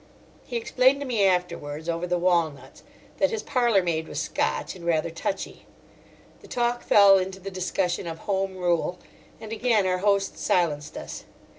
He explained to me afterwards, over the walnuts, that his parlourmaid was Scotch and rather touchy. The talk fell into the discussion of Home Rule, and again our host silenced us.